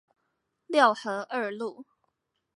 六合二路